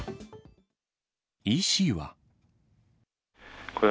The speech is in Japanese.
医師は。